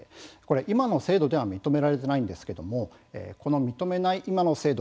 今の制度では認められていないんですがこの認めない今の制度